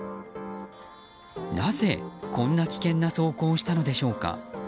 なぜ、こんな危険な走行をしたのでしょうか。